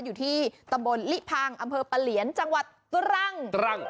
อยู่ที่ตำบลลิพังอำเภอปะเหลียนจังหวัดตรังตรัง